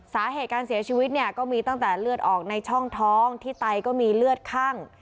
สาเหตุการเสียชีวิตเนี่ยก็มีตั้งแต่เลือดออกในช่องท้องที่ไตก็มีเลือดคั่ง